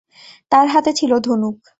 তার হাতে ছিল ধনুক।